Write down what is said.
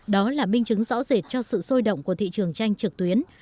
đó là minh chứng rõ rệt cho sự sôi động của thị trường tranh trực tuyến